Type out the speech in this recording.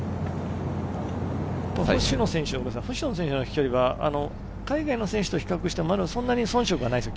星野選手の飛距離は海外の選手と比較して、まだそんなに遜色はないですね。